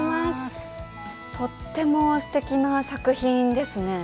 とってもすてきな作品ですね。